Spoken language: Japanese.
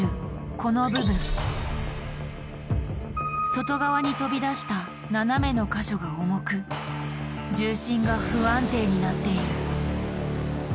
外側に飛び出した斜めの箇所が重く重心が不安定になっている。